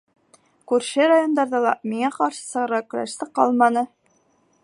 Күрше райондарҙа ла миңә ҡаршы сығыр көрәшсе ҡалманы.